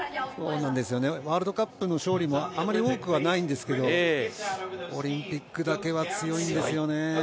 ワールドカップの勝利もあんまり多くはないんですけど、オリンピックだけは強いんですよね。